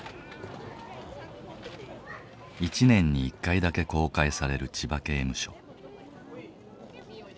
一年に１回だけ公開される千葉刑務所。